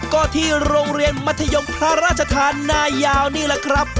ก็ที่โรงเรียนมัธยมพระราชทานนายาวนี่แหละครับ